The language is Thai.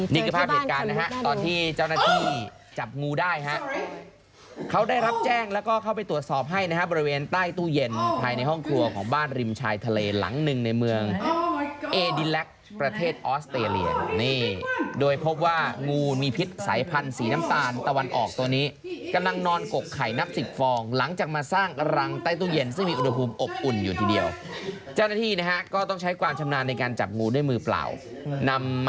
นี่คือภาพเหตุการณ์นะครับต่อที่เจ้าหน้าที่จับงูได้ครับเขาได้รับแจ้งแล้วก็เข้าไปตรวจสอบให้นะครับบริเวณใต้ตู้เย็นภายในห้องครัวของบ้านริมชายทะเลหลังนึงในเมืองเอดิแลคประเทศออสเตรเลียนนี่โดยพบว่างูมีพิษสายพันธุ์สีน้ำตาลตะวันออกตัวนี้กำลังนอนกกไข่นับสิบฟองหลังจากมา